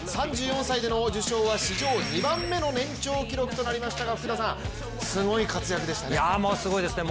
３４歳での受賞は、史上２番目の年長記録となりましたが、福田さん、すごい活躍でしたね。